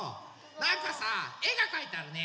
なんかさえがかいてあるね。